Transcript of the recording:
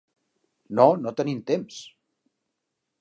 No, no tenim temps.